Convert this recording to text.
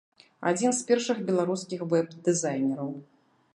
Адзін з першых беларускіх вэб-дызайнераў.